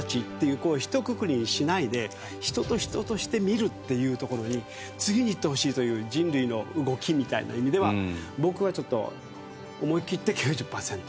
こうひとくくりにしないで人と人として見るっていうところに次に行ってほしいという人類の動きみたいな意味では僕はちょっと思いきって９０パーセント。